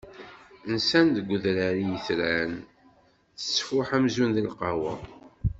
Nsan deg udrar i yetran, tettfuḥ amzun d lqahwa.